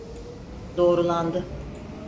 Doğrulandı.